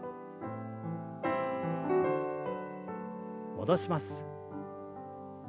戻します。